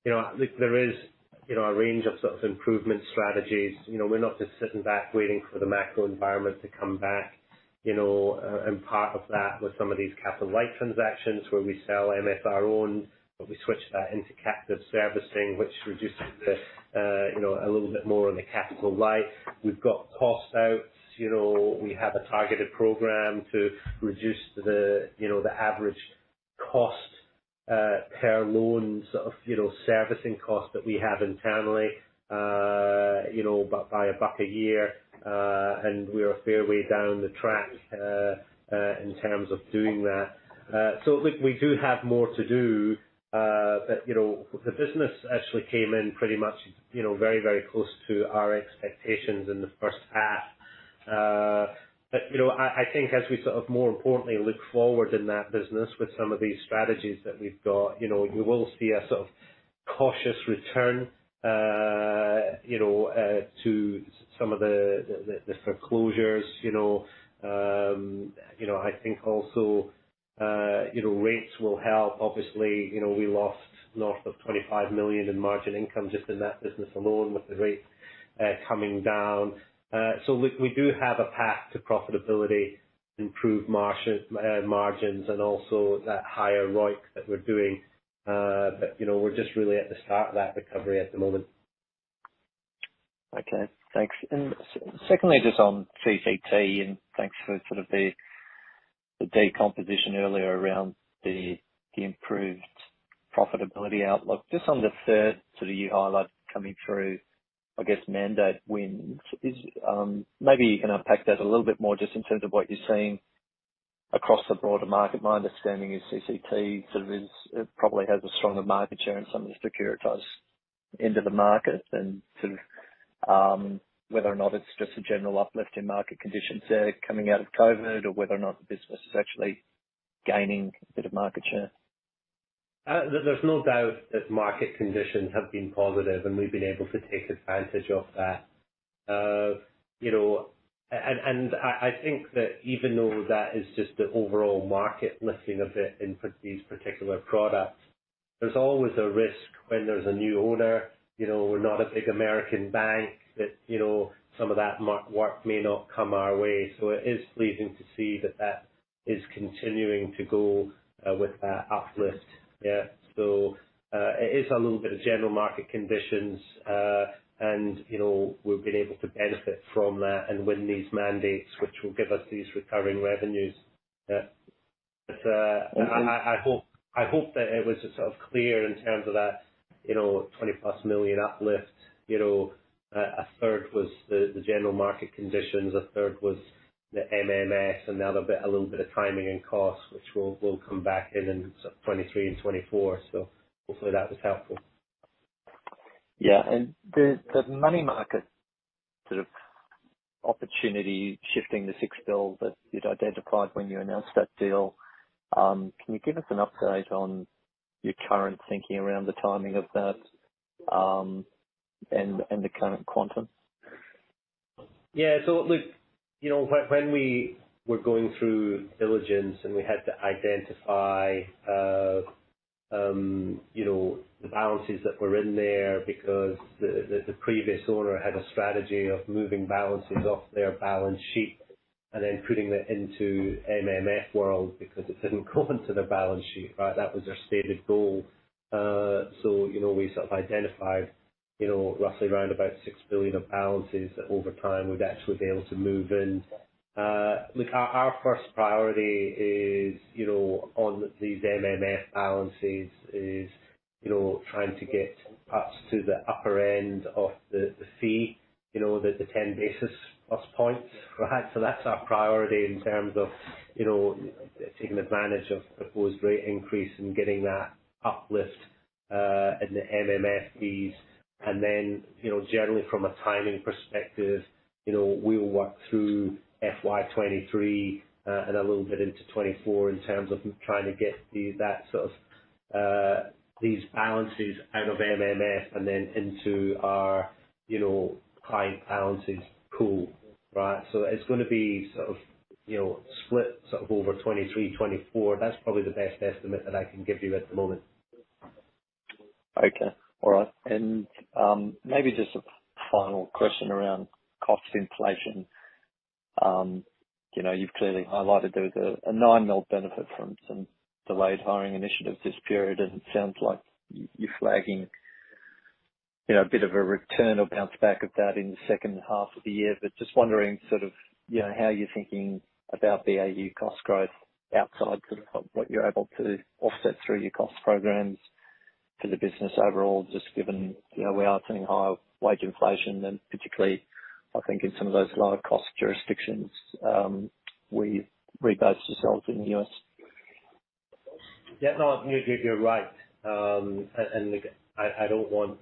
You know, look, there is, you know, a range of sort of improvement strategies. You know, we're not just sitting back waiting for the macro environment to come back, you know. Part of that was some of these capital light transactions where we sell MSR own, but we switch that into captive servicing, which reduces the, you know, a little bit more on the capital light. We've got cost outs. You know, we have a targeted program to reduce the average cost per loan sort of servicing costs that we have internally by about a year. We're a fair way down the track in terms of doing that. Look, we do have more to do, but you know, the business actually came in pretty much very close to our expectations in the first half. But you know, I think as we sort of more importantly look forward in that business with some of these strategies that we've got, you know, you will see a sort of cautious return to some of the foreclosures, you know. You know, I think also rates will help. Obviously, you know, we lost north of $25 million in margin income just in that business alone with the rates coming down. We do have a path to profitability, improve margins and also that higher ROIC that we're doing. You know, we're just really at the start of that recovery at the moment. Okay, thanks. Secondly, just on CCT, and thanks for sort of the decomposition earlier around the improved profitability outlook. Just on the third sort of you highlight coming through, I guess, mandate wins is, maybe you can unpack that a little bit more just in terms of what you're seeing across the broader market. My understanding is CCT sort of is it probably has a stronger market share in some of the securitized end of the market and sort of, whether or not it's just a general uplift in market conditions there coming out of COVID or whether or not the business is actually gaining a bit of market share. There's no doubt that market conditions have been positive, and we've been able to take advantage of that. I think that even though that is just the overall market lifting a bit these particular products, there's always a risk when there's a new owner. We're not a big American bank that some of that work may not come our way. It is pleasing to see that that is continuing to grow with that uplift. It is a little bit of general market conditions. We've been able to benefit from that and win these mandates, which will give us these recurring revenues. I hope that it was just sort of clear in terms of that, you know, $20+ million uplift. You know, a third was the general market conditions, a third was the MMFs, another bit, a little bit of timing and cost, which will come back in sort of 2023 and 2024. Hopefully that was helpful. Yeah. The money market sort of opportunity shifting the $6 billion that you'd identified when you announced that deal, can you give us an update on your current thinking around the timing of that, and the current quantum? Look, you know, when we were going through diligence and we had to identify you know the balances that were in there because the previous owner had a strategy of moving balances off their balance sheet and then putting them into MMFs world because it didn't come into the balance sheet, right? That was their stated goal. You know, we sort of identified, you know, roughly around about $6 billion of balances that over time we'd actually be able to move in. Look, our first priority is, you know, on these MMFs balances is, you know, trying to get up to the upper end of the fee, you know, the 10 basis points, right? That's our priority in terms of, you know, taking advantage of proposed rate increase and getting that uplift in the MMF fees. Then, you know, generally from a timing perspective, you know, we will work through FY 2023 and a little bit into 2024 in terms of trying to get these balances out of MMF and then into our, you know, high balances pool, right? It's gonna be sort of, you know, split sort of over 2023, 2024. That's probably the best estimate that I can give you at the moment. Okay. All right. Maybe just a final question around cost inflation. You know, you've clearly highlighted there was a $9 million benefit from some delayed hiring initiatives this period, and it sounds like you're flagging, you know, a bit of a return or bounce back of that in the second half of the year. Just wondering sort of, you know, how you're thinking about the AU cost growth outside sort of what you're able to offset through your cost programs for the business overall, just given, you know, we are seeing higher wage inflation and particularly I think in some of those lower cost jurisdictions, where you rebased yourselves in the U.S. Yeah. No, you're right. Look, I don't want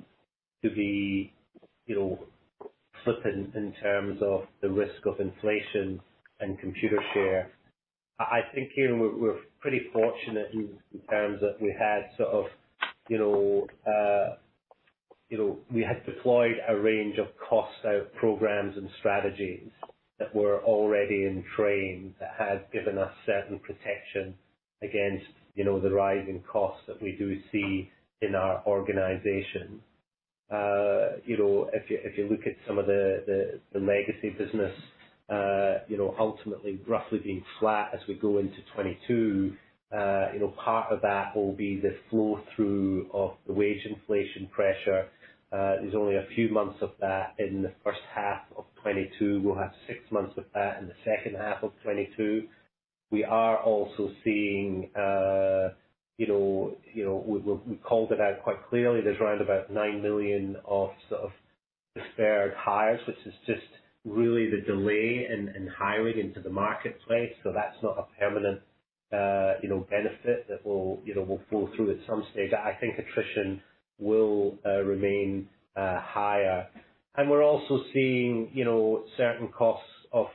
to be, you know, flippant in terms of the risk of inflation and Computershare. I think, Kieren, we're pretty fortunate in terms that we had sort of, you know, we had deployed a range of cost out programs and strategies that were already in train that had given us certain protection against, you know, the rising costs that we do see in our organization. You know, if you look at some of the legacy business, you know, ultimately roughly being flat as we go into 2022, you know, part of that will be the flow through of the wage inflation pressure. There's only a few months of that in the first half of 2022. We'll have six months of that in the second half of 2022. We are also seeing you know, we called it out quite clearly. There's around about 9 million of sort of the spared hires, which is just really the delay in hiring into the marketplace. That's not a permanent you know, benefit that will flow through at some stage. I think attrition will remain higher. We're also seeing you know, certain costs of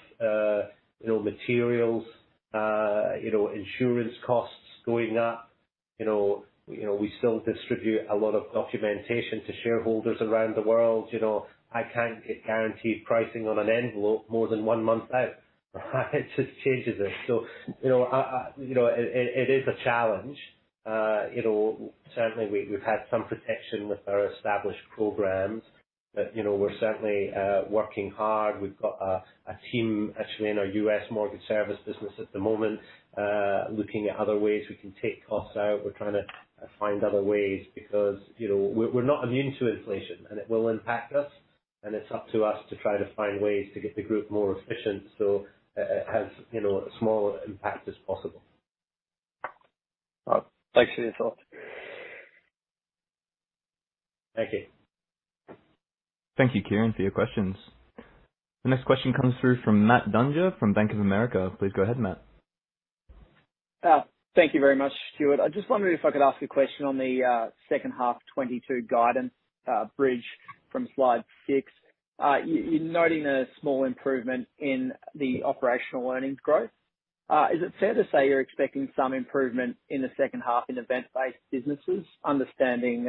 materials, insurance costs going up. You know, we still distribute a lot of documentation to shareholders around the world. You know, I can't get guaranteed pricing on an envelope more than one month out. It just changes it. You know, it is a challenge. You know, certainly we've had some protection with our established programs. You know, we're certainly working hard. We've got a team actually in our U.S. Mortgage Services business at the moment, looking at other ways we can take costs out. We're trying to find other ways because, you know, we're not immune to inflation, and it will impact us, and it's up to us to try to find ways to get the group more efficient, so it has, you know, as small impact as possible. Thanks for your thoughts. Thank you. Thank you, Kieren, for your questions. The next question comes through from Matt Dunger from Bank of America. Please go ahead, Matt. Thank you very much, Stuart. I just wondered if I could ask a question on the second half 2022 guidance, bridge from slide 6. You're noting a small improvement in the operational earnings growth. Is it fair to say you're expecting some improvement in the second half in event-based businesses? Understanding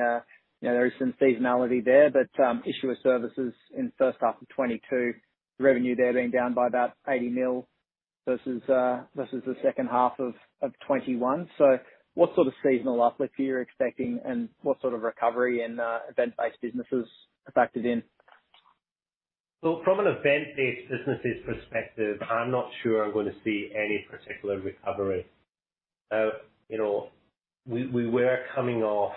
you know, there is some seasonality there, but Issuer Services in first half of 2022, the revenue there being down by about $80 million versus the second half of 2021. What sort of seasonal uplift are you expecting and what sort of recovery in event-based businesses are factored in? From an event-based businesses perspective, I'm not sure I'm gonna see any particular recovery. You know, we were coming off,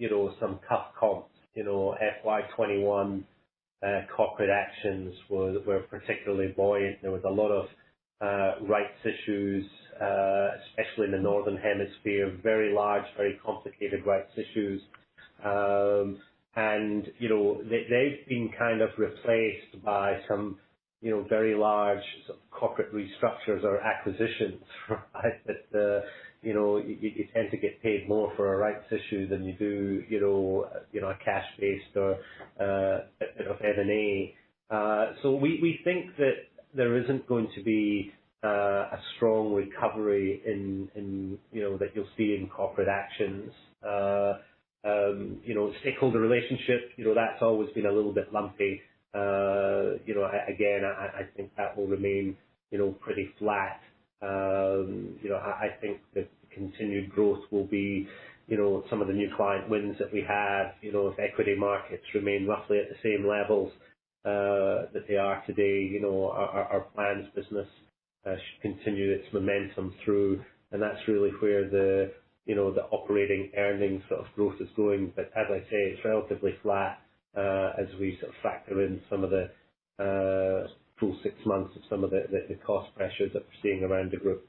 you know, some tough comps. You know, FY 2021, Corporate Actions were particularly buoyant. There was a lot of rights issues, especially in the Northern Hemisphere. Very large, very complicated rights issues. You know, they've been kind of replaced by some, you know, very large corporate restructures or acquisitions, right? You know, you tend to get paid more for a rights issue than you do, you know, a cash-based or, you know, M&A. We think that there isn't going to be a strong recovery in, you know, that you'll see in Corporate Actions. You know, stakeholder relationships, you know, that's always been a little bit lumpy. You know, again, I think that will remain, you know, pretty flat. You know, I think the continued growth will be, you know, some of the new client wins that we have. You know, if equity markets remain roughly at the same levels that they are today, you know, our plans business should continue its momentum through, and that's really where the, you know, the operating earnings sort of growth is going. As I say, it's relatively flat, as we sort of factor in some of the full six months of some of the cost pressures that we're seeing around the group.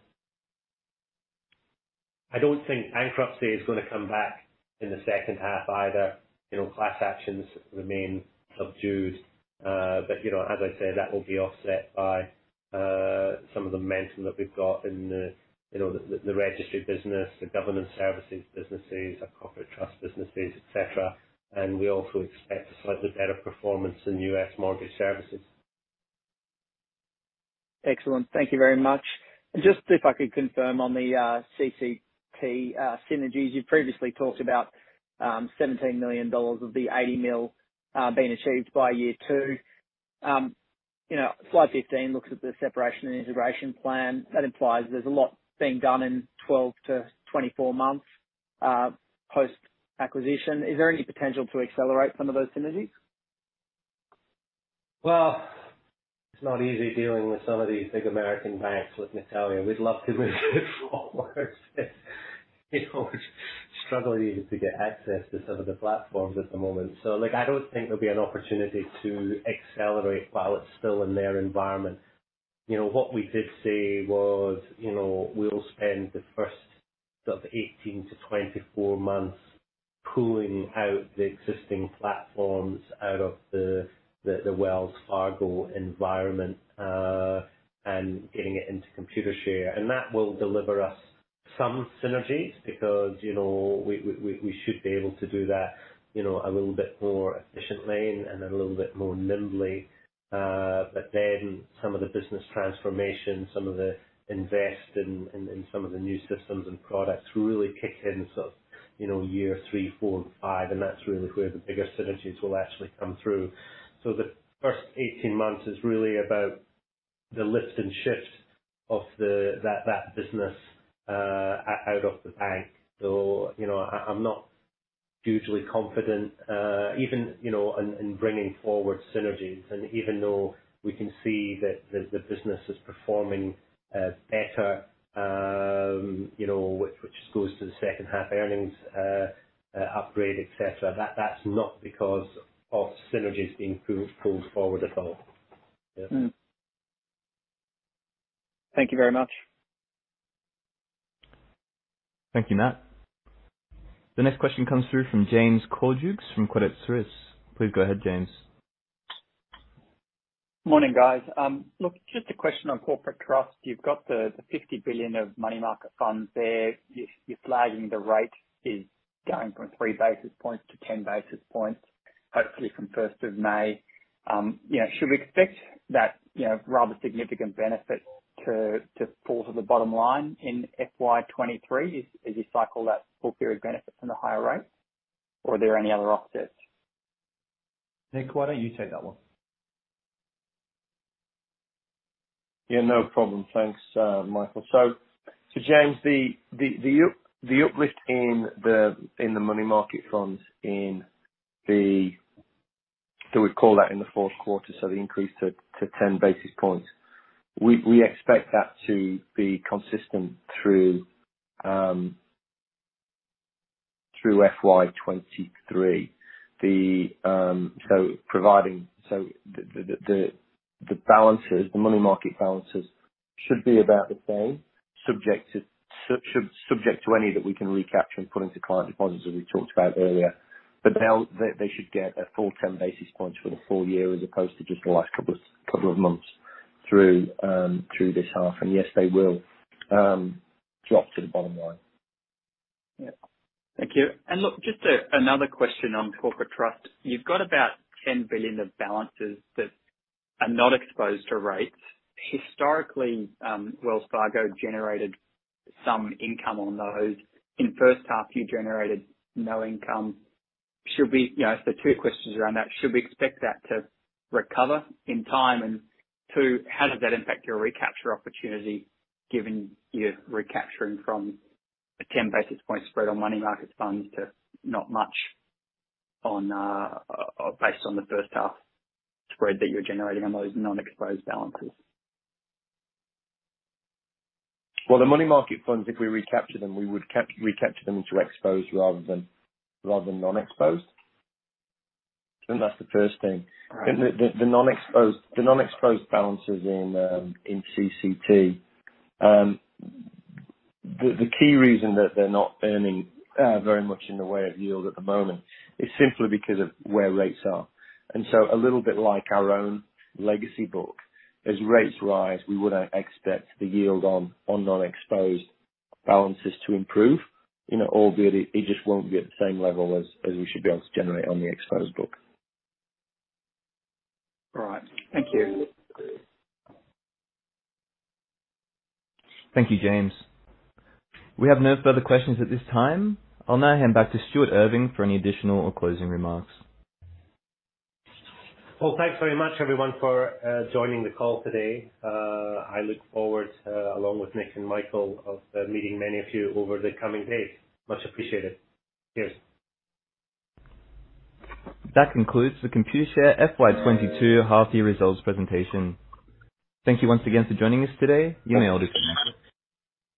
I don't think bankruptcy is gonna come back in the second half either. You know, class actions remain subdued. You know, as I say, that will be offset by some of the momentum that we've got in the, you know, the Registry business, the Governance Services businesses, our Corporate Trust businesses, et cetera. We also expect a slightly better performance in U.S. Mortgage Services. Excellent. Thank you very much. Just if I could confirm on the CCT synergies. You previously talked about $17 million of the $80 million being achieved by year two. You know, slide 15 looks at the separation and integration plan. That implies there's a lot being done in 12-24 months post-acquisition. Is there any potential to accelerate some of those synergies? Well, it's not easy dealing with some of these big American banks, let me tell you. We'd love to move it forward. You know, struggling to get access to some of the platforms at the moment. Like, I don't think there'll be an opportunity to accelerate while it's still in their environment. You know, what we did say was, you know, we'll spend the first of 18-24 months pulling out the existing platforms out of the Wells Fargo environment, and getting it into Computershare. And that will deliver us some synergies because, you know, we should be able to do that, you know, a little bit more efficiently and a little bit more nimbly. Some of the business transformation, some of the investment in some of the new systems and products really kick in sort of, you know, year three, four, and five, and that's really where the biggest synergies will actually come through. The first 18 months is really about the lift and shift of that business out of the bank. You know, I'm not hugely confident even you know in bringing forward synergies. Even though we can see that the business is performing better, you know, which goes to the second half earnings upgrade, etc., that's not because of synergies being pulled forward at all. Yeah. Thank you very much. Thank you, Matt. The next question comes through from James Cordukes from Credit Suisse. Please go ahead, James. Morning, guys. Look, just a question on Corporate Trust. You've got the $50 billion of money market funds there. You're flagging the rate is going from 3 basis points to 10 basis points, hopefully from 1st of May. You know, should we expect that, you know, rather significant benefit to fall to the bottom line in FY 2023 as you cycle that full period benefit from the higher rate? Or are there any other offsets? Nick, why don't you take that one? Yeah, no problem. Thanks, Michael. So James, the uplift in the money market funds in the fourth quarter, so the increase to 10 basis points. We expect that to be consistent through FY 2023. The money market balances should be about the same, subject to any that we can recapture and put into client deposits, as we talked about earlier. Now, they should get a full 10 basis points for the full year as opposed to just the last couple of months through this half. Yes, they will drop to the bottom line. Yeah. Thank you. Look, just, another question on Corporate Trust. You've got about $10 billion of balances that are not exposed to rates. Historically, Wells Fargo generated some income on those. In first half, you generated no income. You know, two questions around that. Should we expect that to recover in time? Two, how does that impact your recapture opportunity given you're recapturing from a 10 basis point spread on money market funds to not much on, based on the first half spread that you're generating on those non-exposed balances? Well, the money market funds, if we recapture them, we would re-capture them to exposed rather than non-exposed. That's the first thing. Right. The non-exposed balances in CCT. The key reason that they're not earning very much in the way of yield at the moment is simply because of where rates are. A little bit like our own legacy book. As rates rise, we would expect the yield on non-exposed balances to improve. You know, albeit it just won't be at the same level as we should be able to generate on the exposed book. All right. Thank you. Thank you, James. We have no further questions at this time. I'll now hand back to Stuart Irving for any additional or closing remarks. Well, thanks very much everyone for joining the call today. I look forward, along with Nick and Michael, to meeting many of you over the coming days. Much appreciated. Cheers. That concludes the Computershare FY 2022 half year results presentation. Thank you once again for joining us today. You may disconnect.